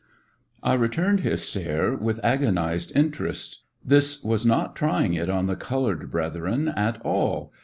I returned his stare with agonized inter est. This was not trying it on the colored brethren at all.